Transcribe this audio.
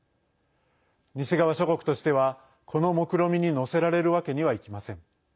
西側諸国としてはこのもくろみに乗せられるわけにはいきません。